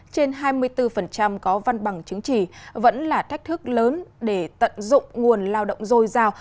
trên hai mươi bốn có văn bằng chứng chỉ vẫn là thách thức lớn để tận dụng nguồn lao động dồi dào